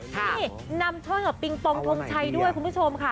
นี่นำโชคกับปิงปองทงชัยด้วยคุณผู้ชมค่ะ